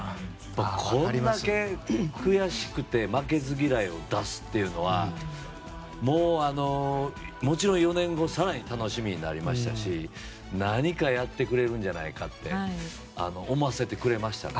これだけ悔しくて負けず嫌いを出すっていうのはもちろん４年後更に楽しみになりましたし何かやってくれるんじゃないかって思わせてくれましたね。